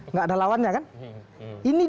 nggak ada lawannya kan ini